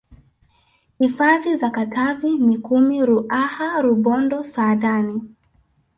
Hifadhi za Katavi Mikumi Ruaha Rubondo Saadani